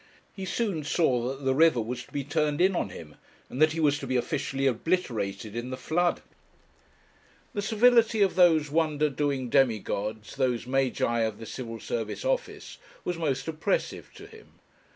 He soon saw that the river was to be turned in on him, and that he was to be officially obliterated in the flood. The civility of those wonder doing demigods those Magi of the Civil Service office was most oppressive to him.